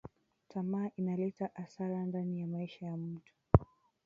Tamaa inaleta asara ndani ya maisha ya muntu